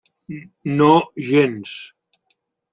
No gens.